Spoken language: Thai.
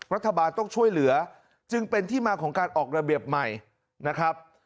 รัฐบาลต้องช่วยเหลือจึงเป็นที่มาของการออกระเบียบใหม่นะครับ